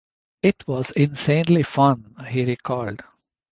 "It was insanely fun," he recalled.